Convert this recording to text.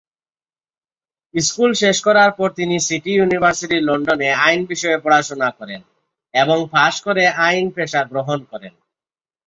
School শেষ করার পর তিনি সিটি ইউনিভার্সিটি লন্ডনে আইন বিষয়ে পড়াশুনা করেন এবং পাশ করে আইন পেশা গ্রহণ করেন।